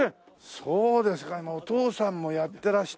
そうですか今お父さんもやってらした。